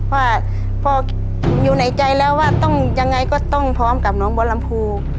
ว่าพออยู่ในใจแล้วว่าต้องยังไงก็ต้องพร้อมกับน้องบัวลำพู